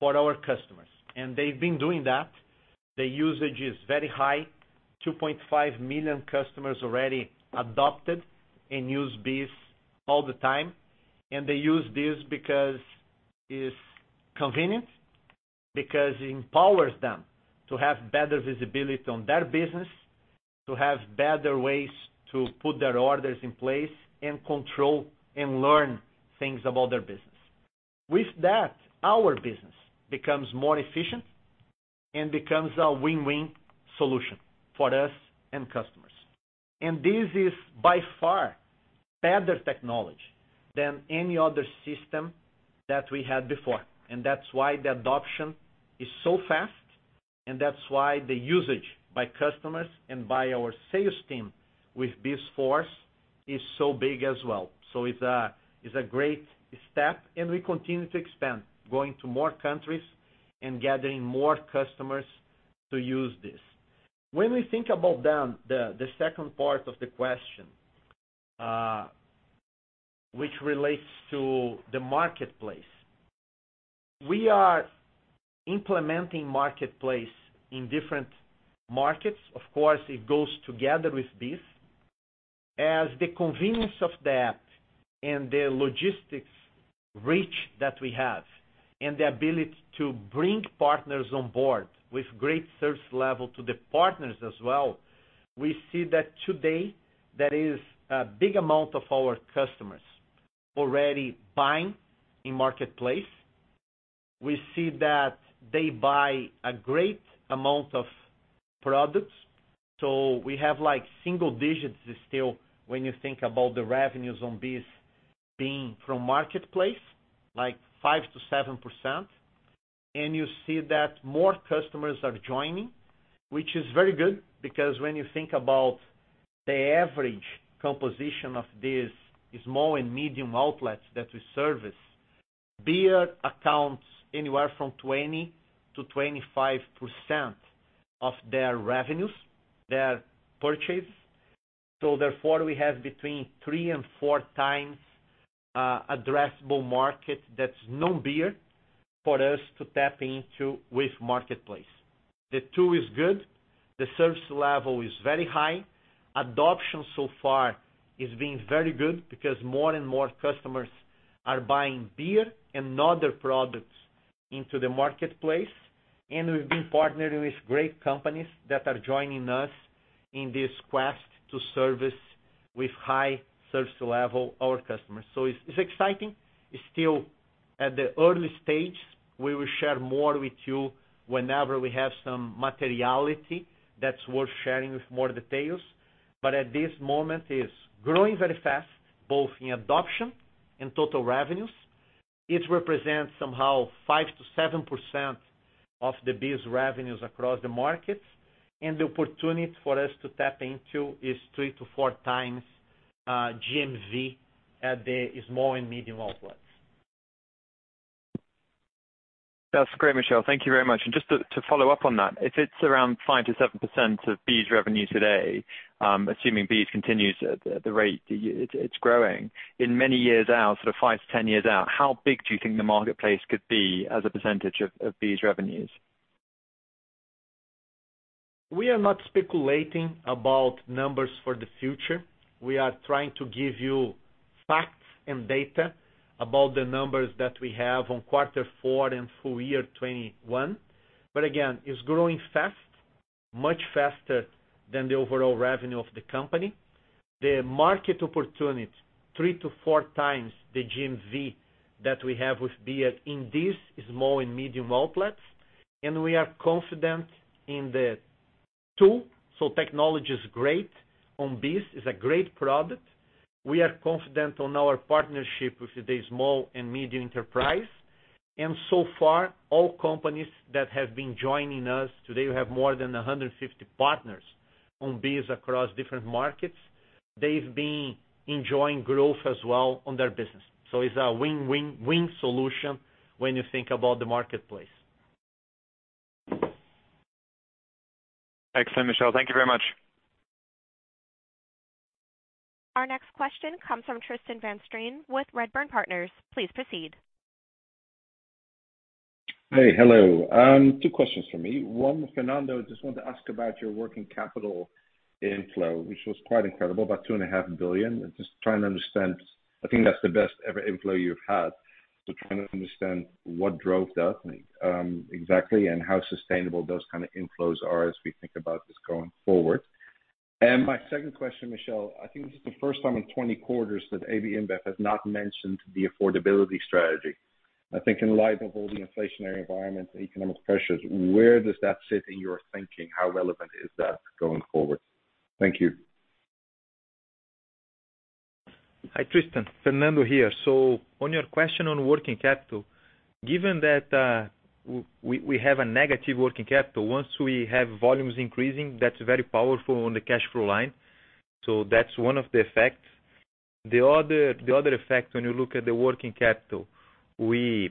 for our customers. They've been doing that. The usage is very high, 2.5 million customers already adopted and use BEES all the time. They use this because it's convenient, because it empowers them to have better visibility on their business, to have better ways to put their orders in place and control and learn things about their business. With that, our business becomes more efficient and becomes a win-win solution for us and customers. This is by far better technology than any other system that we had before. That's why the adoption is so fast, and that's why the usage by customers and by our sales team with BEES Force is so big as well. It's a great step, and we continue to expand, going to more countries and gathering more customers to use this. When we think about the second part of the question, which relates to the marketplace. We are implementing marketplace in different markets. Of course, it goes together with this. As the convenience of that and the logistics reach that we have and the ability to bring partners on board with great service level to the partners as well, we see that today, there is a big amount of our customers already buying in marketplace. We see that they buy a great amount of products. We have like single digits still, when you think about the revenues on this being from marketplace, like 5%-7%. You see that more customers are joining, which is very good because when you think about the average composition of these small and medium outlets that we service, beer accounts anywhere from 20%-25% of their revenues, their purchase. Therefore, we have between 3-4 times addressable market that's non-beer for us to tap into with marketplace. The two is good. The service level is very high. Adoption so far is being very good because more and more customers are buying beer and other products into the marketplace. We've been partnering with great companies that are joining us in this quest to service with high service level our customers. It's exciting. It's still at the early stage. We will share more with you whenever we have some materiality that's worth sharing with more details. At this moment, it's growing very fast, both in adoption and total revenues. It represents somehow 5%-7% of the business revenues across the markets, and the opportunity for us to tap into is three to four times GMV at the small and medium outlets. That's great, Michel. Thank you very much. Just to follow up on that, if it's around 5%-7% of BEES's revenue today, assuming BEES continues at the rate it's growing, many years out, sort of five, 10 years out, how big do you think the marketplace could be as a percentage of BEES's revenues? We are not speculating about numbers for the future. We are trying to give you facts and data about the numbers that we have on Q4 and full year 2021. Again, it's growing fast, much faster than the overall revenue of the company. The market opportunity three to four times the GMV that we have with beer in these small and medium outlets, and we are confident in the tool. Technology is great on this, is a great product. We are confident on our partnership with the small and medium enterprise. So far, all companies that have been joining us, today, we have more than 150 partners on BEES across different markets. They've been enjoying growth as well on their business. It's a win-win-win solution when you think about the marketplace. Excellent, Michel. Thank you very much. Our next question comes from Tristan van Strien with Redburn Partners. Please proceed. Hey. Hello. Two questions for me. One, Fernando, just wanted to ask about your working capital inflow, which was quite incredible, about $2.5 billion. Just trying to understand. I think that's the best ever inflow you've had. Trying to understand what drove that, exactly, and how sustainable those kinda inflows are as we think about this going forward. My second question, Michel, I think this is the first time in 20 quarters that AB InBev has not mentioned the affordability strategy. I think in light of all the inflationary environment and economic pressures, where does that sit in your thinking? How relevant is that going forward? Thank you. Hi, Tristan. Fernando here. On your question on working capital, given that we have a negative working capital, once we have volumes increasing, that's very powerful on the cash flow line. That's one of the effects. The other effect, when you look at the working capital, when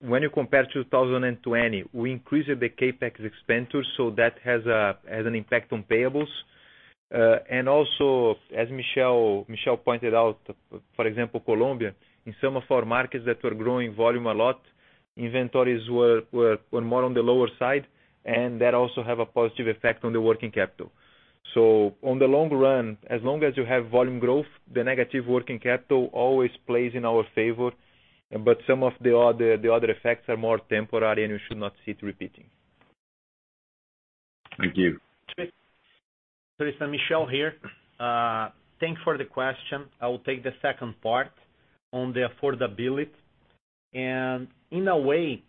you compare 2020, we increased the CapEx expenditure, so that has an impact on payables. And also, as Michel pointed out, for example, Colombia, in some of our markets that were growing volume a lot, inventories were more on the lower side, and that also have a positive effect on the working capital. On the long run, as long as you have volume growth, the negative working capital always plays in our favor but some of the other effects are more temporary, and you should not see it repeating. Thank you. Tristan, Michel here. Thanks for the question. I will take the second part on the affordability. In a way,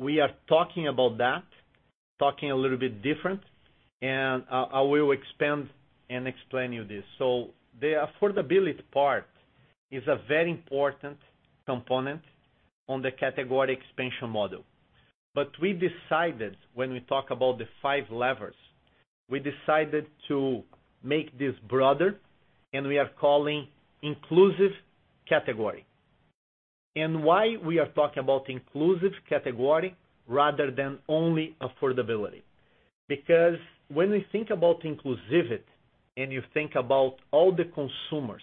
we are talking about that, talking a little bit different, and I will expand and explain you this. The affordability part is a very important component on the category expansion model. We decided, when we talk about the five levers, we decided to make this broader, and we are calling inclusive category. Why we are talking about inclusive category rather than only affordability? Because when we think about inclusivity and you think about all the consumers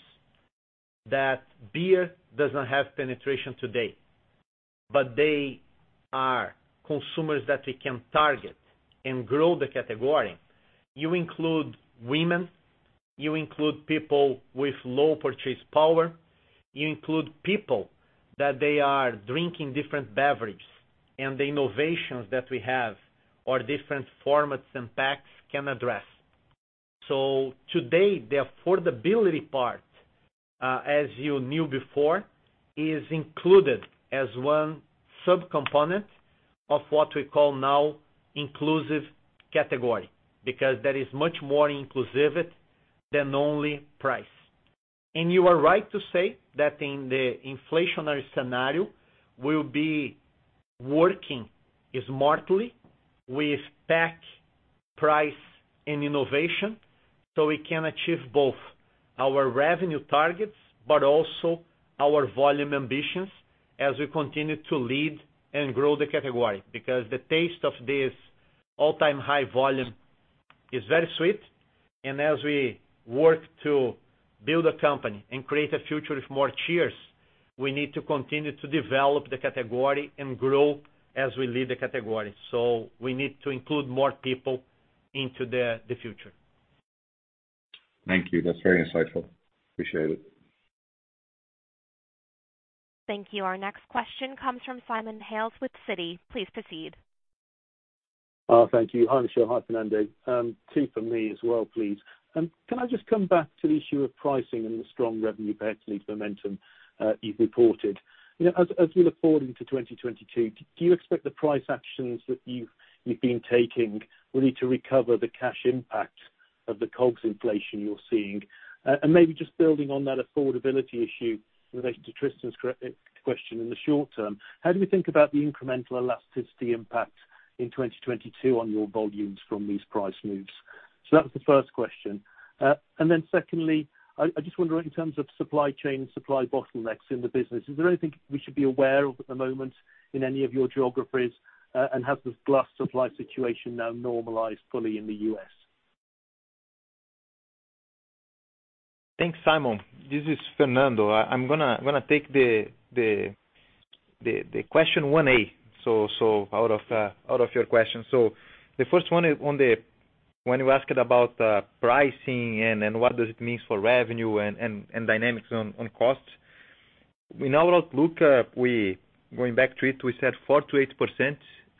that beer does not have penetration today, but they are consumers that we can target and grow the category, you include women, you include people with low purchase power, you include people that they are drinking different beverage and the innovations that we have or different formats and packs can address. Today, the affordability part, as you knew before, is included as one sub-component of what we call now inclusive category, because there is much more inclusivity than only price. You are right to say that in the inflationary scenario, we'll be working smartly with pack price and innovation, so we can achieve both our revenue targets but also our volume ambitions as we continue to lead and grow the category. Because the taste of this all-time high volume is very sweet, and as we work to build a company and create a future with more cheers, we need to continue to develop the category and grow as we lead the category. We need to include more people into the future. Thank you. That's very insightful. Appreciate it. Thank you. Our next question comes from Simon Hales with Citi. Please proceed. Thank you. Hi, Michel. Hi, Fernando. Two for me as well, please. Can I just come back to the issue of pricing and the strong revenue per hectoliter momentum you've reported? You know, as we look forward into 2022, do you expect the price actions that you've been taking really to recover the cash impact of the COGS inflation you're seeing? And maybe just building on that affordability issue related to Tristan's question in the short term, how do we think about the incremental elasticity impact in 2022 on your volumes from these price moves? So that was the first question. And then secondly, I just wonder in terms of supply chain, supply bottlenecks in the business, is there anything we should be aware of at the moment in any of your geographies? Has the glass supply situation now normalized fully in the U.S.? Thanks, Simon. This is Fernando. I'm gonna take the. The question 1A out of your question. The first one, when you asked about pricing and cost dynamics. In our outlook, going back to it, we said 4%-8%,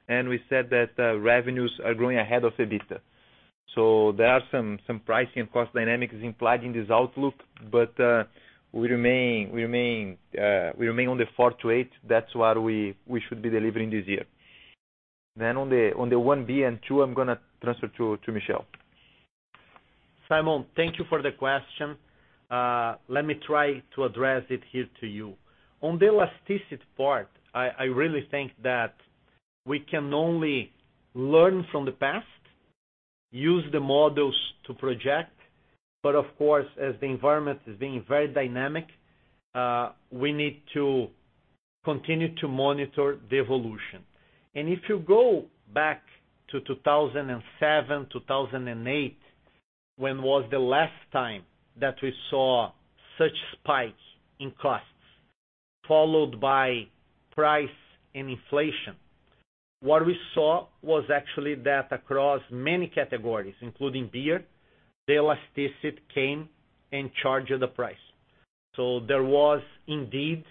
and we said that revenues are growing ahead of EBITDA. There are some pricing and cost dynamics implied in this outlook, but we remain on the 4%-8%. That's what we should be delivering this year. On the 1B and two, I'm gonna transfer to Michel. Simon, thank you for the question. Let me try to address it here to you. On the elasticity part, I really think that we can only learn from the past, use the models to project, but of course, as the environment is being very dynamic, we need to continue to monitor the evolution. If you go back to 2007, 2008, when was the last time that we saw such a spike in costs followed by price and inflation. What we saw was actually that across many categories, including beer, the elasticity came in charge of the price. There was indeed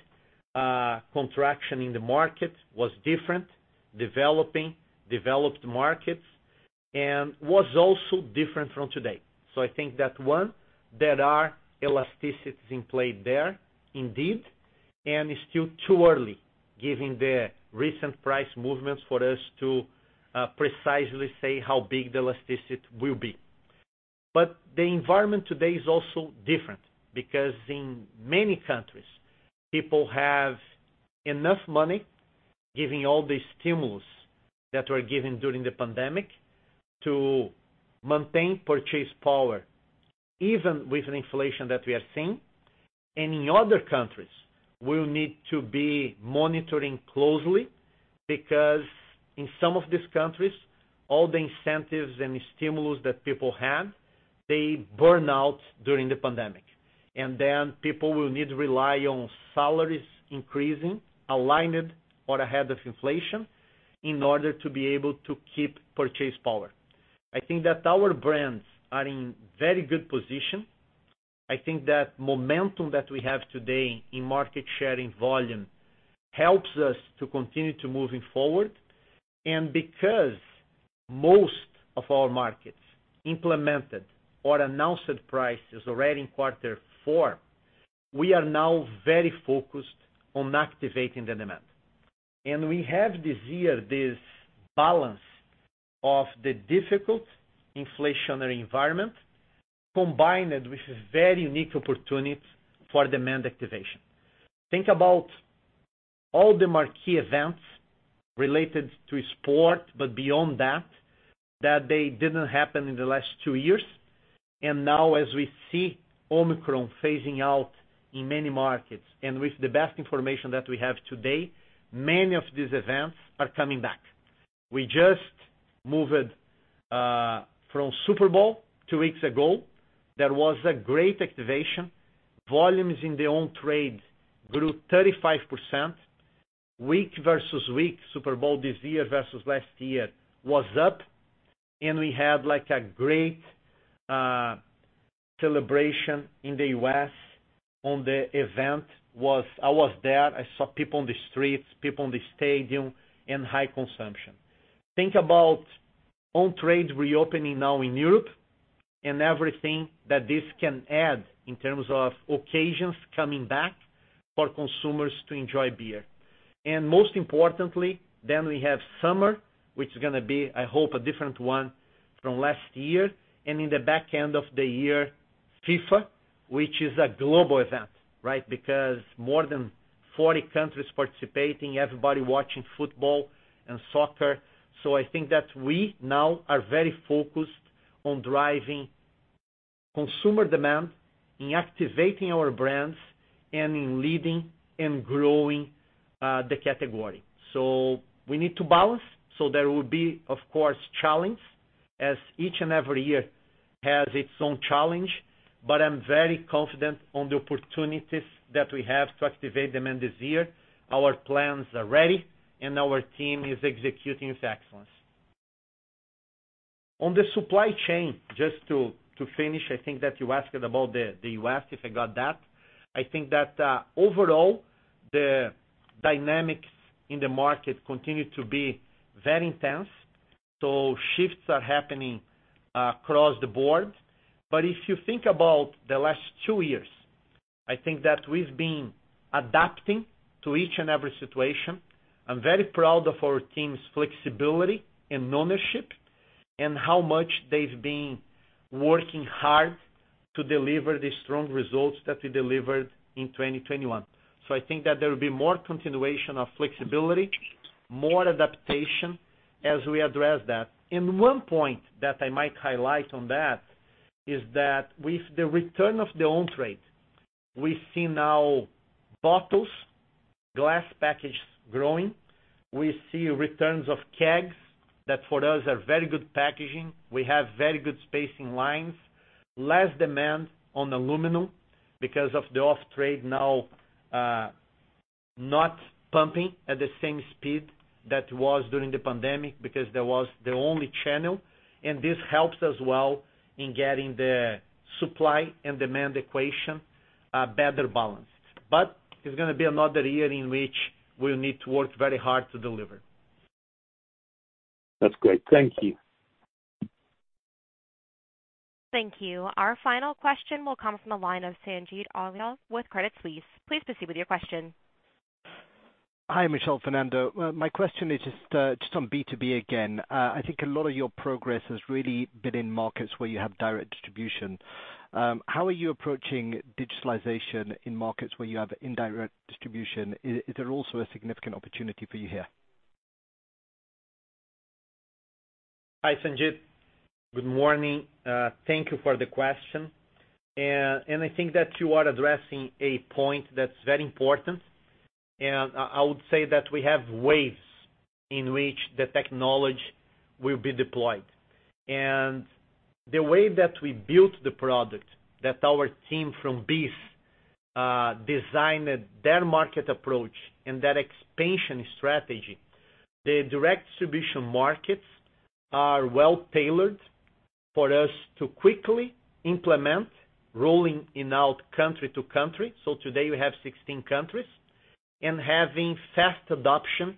contraction in the market that was different in developing and developed markets, and it was also different from today. I think that, one, there are elasticities in play there indeed, and it's still too early, given the recent price movements, for us to precisely say how big the elasticity will be. The environment today is also different because in many countries, people have enough money, given all the stimulus that were given during the pandemic, to maintain purchasing power, even with an inflation that we are seeing. In other countries, we'll need to be monitoring closely because in some of these countries, all the incentives and stimulus that people had, they burn out during the pandemic. Then people will need to rely on salaries increasing, aligned or ahead of inflation, in order to be able to keep purchasing power. I think that our brands are in very good position. I think that momentum that we have today in market share and volume helps us to continue to moving forward. Because most of our markets implemented or announced prices already in Q4, we are now very focused on activating the demand. We have this year, this balance of the difficult inflationary environment combined with a very unique opportunity for demand activation. Think about all the marquee events related to sport, but beyond that they didn't happen in the last two years. Now, as we see Omicron phasing out in many markets, and with the best information that we have today, many of these events are coming back. We just moved from Super Bowl two weeks ago. That was a great activation. Volumes in the on-trade grew 35%. Week versus week, Super Bowl this year versus last year was up, and we had like a great celebration in the U.S. on the event. I was there. I saw people on the streets, people on the stadium, and high consumption. Think about on-trade reopening now in Europe and everything that this can add in terms of occasions coming back for consumers to enjoy beer. Most importantly, then we have summer, which is gonna be, I hope, a different one from last year, and in the back end of the year, FIFA, which is a global event, right? Because more than 40 countries participating, everybody watching football and soccer. I think that we now are very focused on driving consumer demand, in activating our brands, and in leading and growing the category. We need to balance. There will be, of course, challenge as each and every year has its own challenge, but I'm very confident on the opportunities that we have to activate demand this year. Our plans are ready, and our team is executing with excellence. On the supply chain, just to finish, I think that you asked about the U.S., if I got that. I think that overall, the dynamics in the market continue to be very intense, so shifts are happening across the board. If you think about the last two years, I think that we've been adapting to each and every situation. I'm very proud of our team's flexibility and ownership and how much they've been working hard to deliver the strong results that we delivered in 2021. I think that there will be more continuation of flexibility, more adaptation as we address that. One point that I might highlight on that is that with the return of the on-trade, we see now bottles, glass packaging growing. We see returns of kegs that for us are very good packaging. We have very good packaging lines, less demand on aluminum because of the off-trade now, not pumping at the same speed that was during the pandemic because that was the only channel, and this helps as well in getting the supply and demand equation to a better balance. It's gonna be another year in which we'll need to work very hard to deliver. That's great. Thank you. Thank you. Our final question will come from the line of Sanjeet Aujla with Credit Suisse. Please proceed with your question. Hi, Michel, Fernando. My question is just on B2B again. I think a lot of your progress has really been in markets where you have direct distribution. How are you approaching digitalization in markets where you have indirect distribution? Is there also a significant opportunity for you here? Hi, Sanjeet. Good morning. Thank you for the question. I think that you are addressing a point that's very important. I would say that we have waves in which the technology will be deployed. The way that we built the product, that our team from BEES designed their market approach and their expansion strategy. The direct distribution markets are well tailored for us to quickly implement rolling out country to country. So today we have 16 countries. Having fast adoption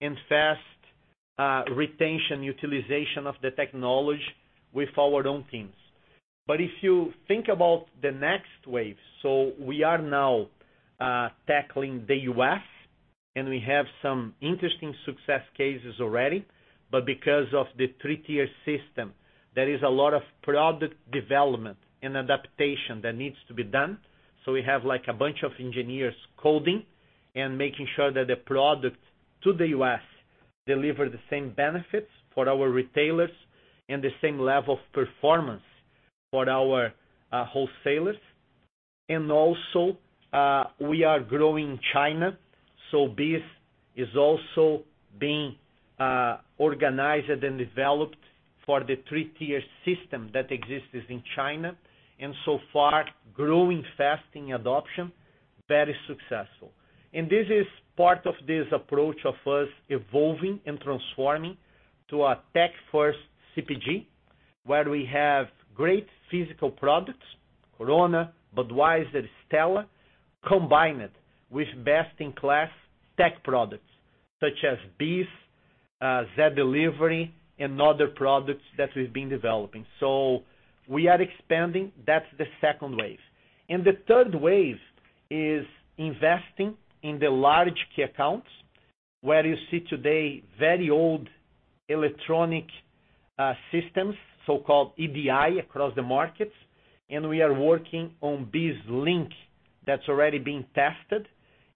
and fast retention utilization of the technology with our own teams. If you think about the next wave, we are now tackling the U.S., and we have some interesting success cases already. Because of the three-tier system, there is a lot of product development and adaptation that needs to be done. We have like a bunch of engineers coding and making sure that the product to the U.S. deliver the same benefits for our retailers and the same level of performance for our wholesalers. We are growing in China. BEES is also being organized and developed for the three-tier system that exists in China. So far growing fast in adoption, very successful. This is part of this approach of us evolving and transforming to a tech-first CPG, where we have great physical products, Corona, Budweiser, Stella, combined with best-in-class tech products such as BEES, Zé Delivery and other products that we've been developing. We are expanding. That's the second wave. The third wave is investing in the large key accounts, where you see today very old electronic systems, so-called EDI across the markets. We are working on BEES Link that's already been tested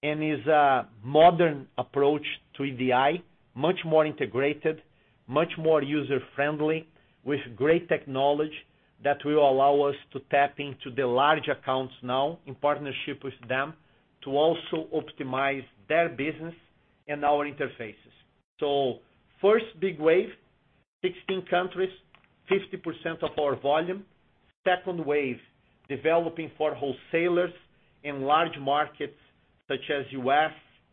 and is a modern approach to EDI, much more integrated, much more user-friendly, with great technology that will allow us to tap into the large accounts now in partnership with them to also optimize their business and our interfaces. First big wave, 16 countries, 50% of our volume. Second wave, developing for wholesalers in large markets such as U.S.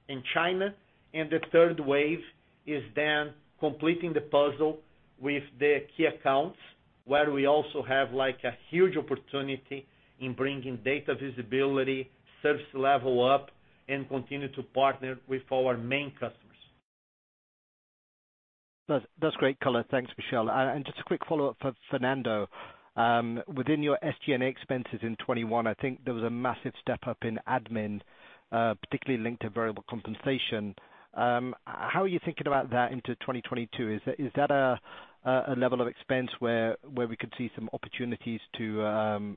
and China. The third wave is then completing the puzzle with the key accounts, where we also have like a huge opportunity in bringing data visibility, service level up, and continue to partner with our main customers. That's great color. Thanks, Michel. Just a quick follow-up for Fernando. Within your SG&A expenses in 2021, I think there was a massive step up in admin, particularly linked to variable compensation. How are you thinking about that into 2022? Is that a level of expense where we could see some opportunities to,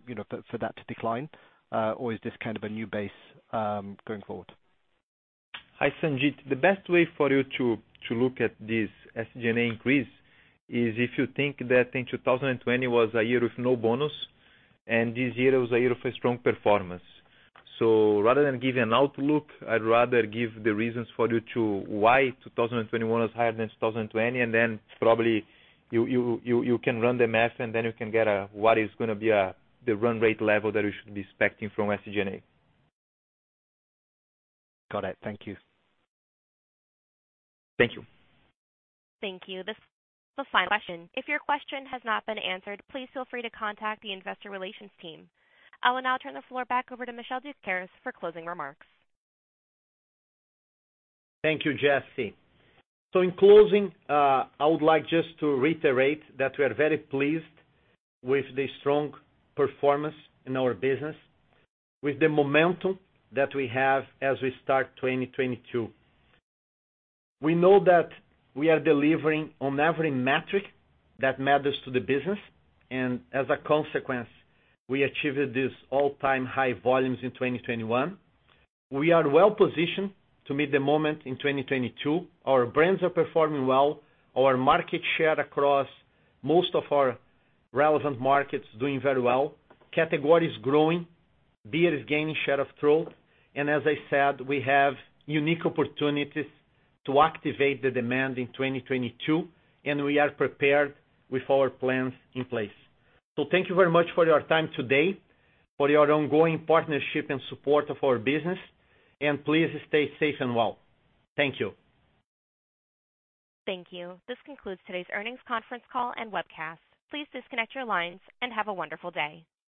you know, for that to decline? Or is this kind of a new base going forward? Hi, Sanjeet. The best way for you to look at this SG&A increase is if you think that in 2020 was a year with no bonus, and this year was a year of a strong performance. Rather than give you an outlook, I'd rather give the reasons for you to why 2021 was higher than 2020, and then probably you can run the math and then you can get a what is gonna be the run rate level that you should be expecting from SG&A. Got it. Thank you. Thank you. Thank you. This is the final question. If your question has not been answered, please feel free to contact the investor relations team. I will now turn the floor back over to Michel Doukeris for closing remarks. Thank you, Jesse. In closing, I would like just to reiterate that we are very pleased with the strong performance in our business, with the momentum that we have as we start 2022. We know that we are delivering on every metric that matters to the business, and as a consequence, we achieved this all-time high volumes in 2021. We are well-positioned to meet the moment in 2022. Our brands are performing well. Our market share across most of our relevant markets doing very well. Category is growing. Beer is gaining share of throat. And as I said, we have unique opportunities to activate the demand in 2022, and we are prepared with our plans in place. Thank you very much for your time today, for your ongoing partnership and support of our business, and please stay safe and well. Thank you. Thank you. This concludes today's earnings conference call and webcast. Please disconnect your lines and have a wonderful day.